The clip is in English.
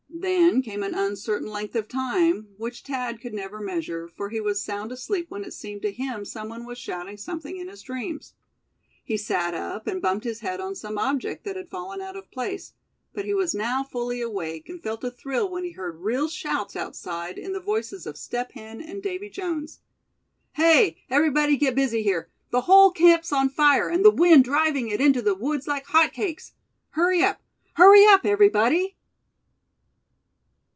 Then came an uncertain length of time, which Thad could never measure; for he was sound asleep when it seemed to him some one was shouting something in his dreams. He sat up, and bumped his head on some object that had fallen out of place; but he was now fully awake, and felt a thrill when he heard real shouts outside, in the voices of Step Hen and Davy Jones: "Hey, everybody get busy here! The whole camp's on fire, and the wind driving it into the woods like hot cakes! Hurry up! Hurry up, everybody!"